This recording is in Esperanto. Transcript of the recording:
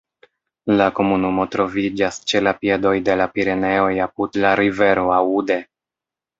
La komunumo troviĝas ĉe la piedoj de la Pireneoj apud la rivero Aude.